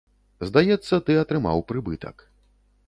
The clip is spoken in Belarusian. Здаецца, ты атрымаў прыбытак.